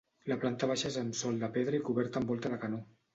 La planta baixa és amb sòl de pedra i coberta amb volta de canó.